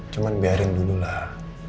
cuman biarin dululah